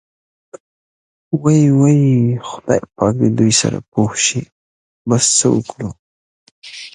وۍ وۍ خدای پاک دې دوی سره پوه شي، بس څه وکړو.